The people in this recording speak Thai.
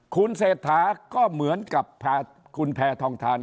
คุณเศรษฐาก็เหมือนกับพาคุณแพทองทาน